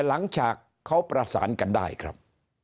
ฉากเขาประสานกันได้ครับ